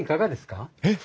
えっ！